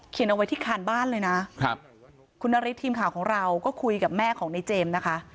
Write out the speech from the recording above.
เอาไว้ที่คานบ้านเลยนะครับคุณนาริสทีมข่าวของเราก็คุยกับแม่ของในเจมส์นะคะ